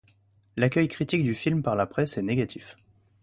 L'accueil critique du film par la presse est négatif.